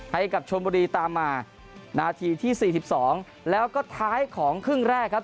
ให้กับชนบุรีตามมานาทีที่๔๒แล้วก็ท้ายของครึ่งแรกครับ